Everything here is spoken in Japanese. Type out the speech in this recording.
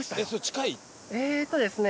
えーっとですね。